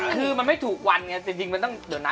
คือมันไม่ถูกวันไงจริงมันต้องเดี๋ยวนะ